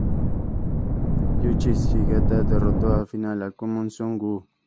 Yūichi Sugita derrotó en la final a Kwon Soon-woo.